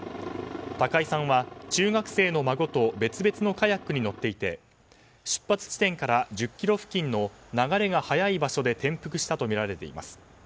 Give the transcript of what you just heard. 高井さんは中学生の孫と別々のカヤックに乗っていて出発地点から１０ｋｍ付近の流れが速い場所で転覆したとみられています。